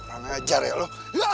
rangajar ya lo